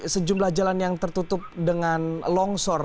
sejumlah jalan yang tertutup dengan longsor